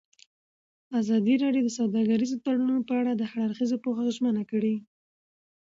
ازادي راډیو د سوداګریز تړونونه په اړه د هر اړخیز پوښښ ژمنه کړې.